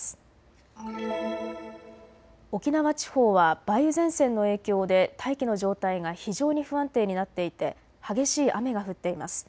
沖縄地方は梅雨前線の影響で大気の状態が非常に不安定になっていて激しい雨が降っています。